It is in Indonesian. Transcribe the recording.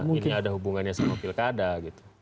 ini ada hubungannya sama pirk ada gitu